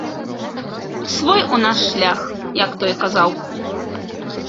Свой у нас шлях, як той казаў!